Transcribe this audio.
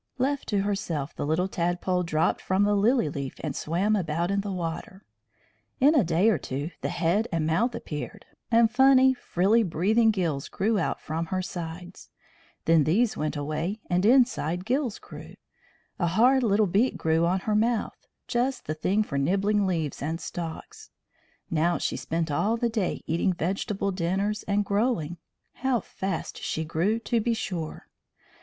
Left to herself, the little tadpole dropped from the lily leaf and swam about in the water. In a day or two the head and mouth appeared, and funny, frilly breathing gills grew out from her sides. Then these went away and inside gills grew. A hard little beak grew on her mouth, just the thing for nibbling leaves and stalks. Now she spent all the day eating vegetable dinners and growing. How fast she grew, to be sure!